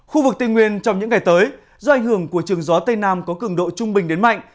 khu vực tây nguyên trong những ngày tới do ảnh hưởng của trường gió tây nam có cường độ trung bình đến mạnh